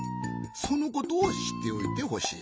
そのことをしっておいてほしい。